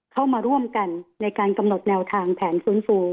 เข้ามาร่วมกันในการกำหนดแนวทางแผนฟื้นฟู